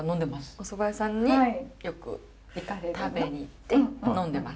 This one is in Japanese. お蕎麦屋さんによく食べに行って呑んでます。